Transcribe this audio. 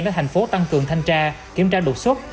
để thành phố tăng cường thanh tra kiểm tra đột xuất